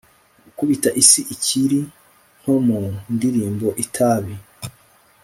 gukubita isi ikiri nto mu ndirimbo itabi